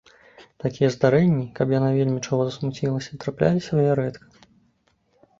Такія здарэнні, каб яна вельмі чаго засмуцілася, трапляліся ў яе рэдка.